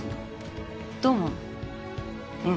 どう思う？